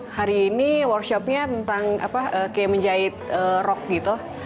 hari ini workshopnya tentang apa kayak menjahit rock gitu